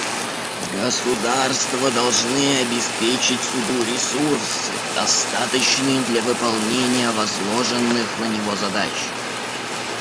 Государства должны обеспечить Суду ресурсы, достаточные для выполнения возложенных на него задач.